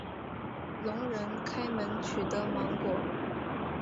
聋人开门取得芒果。